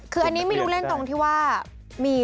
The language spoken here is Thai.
คืออันนี้ไม่รู้เล่นตรงที่ว่ามี